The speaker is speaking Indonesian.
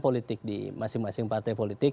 politik di masing masing partai politik